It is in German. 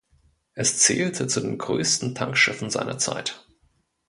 Es zählte zu den größten Tankschiffen seiner Zeit.